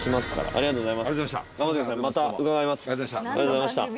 ありがとうございます。